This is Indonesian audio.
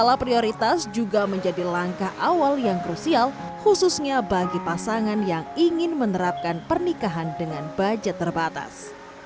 dan skala prioritas juga menjadi langkah awal yang krusial khususnya bagi pasangan yang ingin menerapkan pernikahan dengan budget terbatas